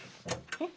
えっ？